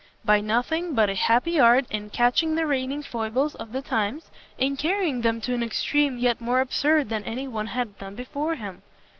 "By nothing but a happy art in catching the reigning foibles of the times, and carrying them to an extreme yet more absurd than any one had done before him.